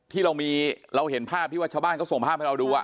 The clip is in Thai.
ที่เราเห็นภาพที่ว่าชาวบ้านเขาส่งภาพให้เราดู